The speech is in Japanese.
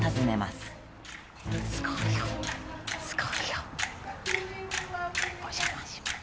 すごいよすごいよお邪魔します